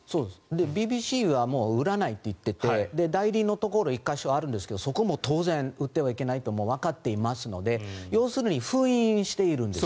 ＢＢＣはもう売らないと言ってて代理のところが１か所あるんですがそこも当然売ってはいけないとわかってはいますので要するに封印しているんです。